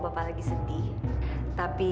bapak lagi sedih tapi